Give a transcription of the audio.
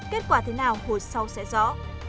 kết quả thế nào hồi sau sẽ rõ